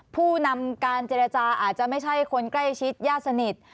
ผู้นำการเจรจาอาจจะไม่ใช่คนใกล้ชิดญาติสนิท